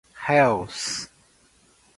réus